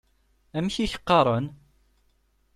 Amek i k-qqaṛen?